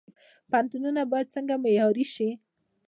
پوهنتونونه باید څنګه معیاري شي؟